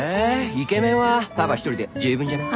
イケメンはパパ一人で十分じゃない？